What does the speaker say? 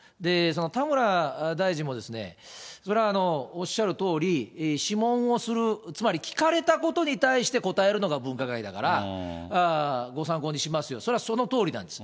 田村大臣も、それはおっしゃるとおり、諮問をする、つまり聞かれたことに対して答えるのが分科会だから、ご参考にしますよ、それはそのとおりなんです。